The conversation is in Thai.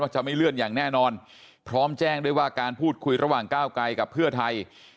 จะไม่เลื่อนอย่างแน่นอนพร้อมแจ้งด้วยว่าการพูดคุยระหว่างก้าวไกลกับเพื่อไทย